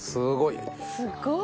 すごい。